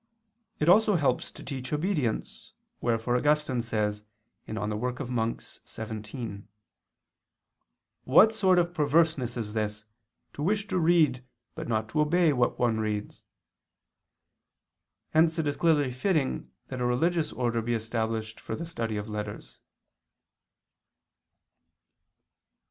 It also helps to teach obedience, wherefore Augustine says (De oper. Monach. xvii): "What sort of perverseness is this, to wish to read, but not to obey what one reads?" Hence it is clearly fitting that a religious order be established for the study of letters.